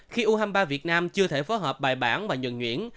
khi u hai mươi ba việt nam chưa thể phối hợp bài bản và nhuận nhuyễn